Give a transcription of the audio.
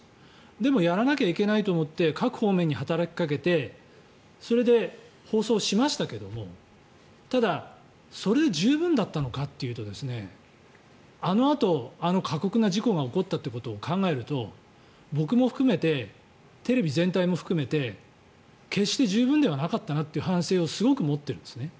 でもやらなきゃいけないと思って各方面に働きかけてそれで放送しましたけどもただ、それで十分だったのかというとあのあと、あの過酷な事故が起こったというのを考えると僕も含めてテレビ全体も含めて決して十分ではなかったなって反省をすごく持ってるんですね。